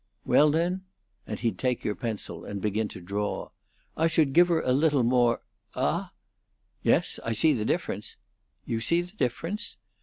'Well, then' and he'd take your pencil and begin to draw 'I should give her a little more Ah?' 'Yes, I see the difference.' 'You see the difference?'